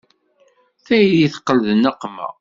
Tayri teqqel d nneqma.